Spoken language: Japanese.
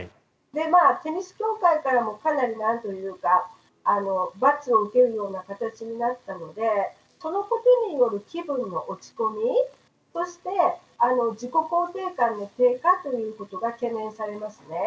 テニス協会からも罰を受けるような形になったのでそのことによる気分の落ち込みそして、自己肯定感の低下ということが懸念されますね。